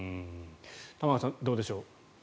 玉川さん、どうでしょう。